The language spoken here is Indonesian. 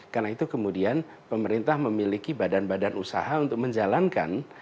karena itu kemudian pemerintah memiliki badan badan usaha untuk menjalankan